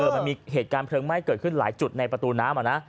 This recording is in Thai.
มันมีเหตุการณ์เพลิงไหม้เกิดขึ้นหลายจุดในประตูน้ำ